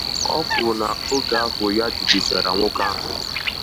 O kwuru na oge ahụ ha jidechara nwoke ahụ